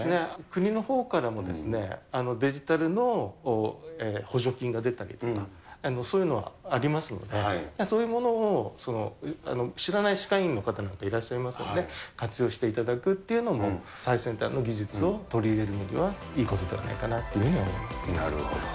国のほうからも、デジタルの補助金が出たりとか、そういうのはありますので、そういうものを知らない歯科医院の方などもいらっしゃいますので、活用していただくというのも、最先端の技術を取り入れるのにはいいことではないかなっていうふなるほど。